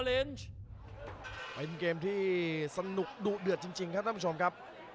เป็นเกมที่สนุกดุเดือดจริงครับท่านผู้ชมครับ